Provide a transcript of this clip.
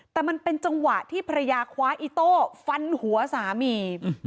แต่มันเป็นจังหวะที่ภรรยาคว้าอิโต้ฟันหัวสามี